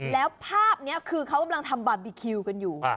แล้วภาพนี้คือเขากำลังทำบาร์บีคิวกันอยู่